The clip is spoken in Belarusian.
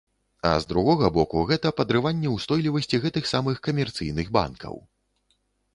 А з другога боку, гэта падрыванне ўстойлівасці гэтых самых камерцыйных банкаў.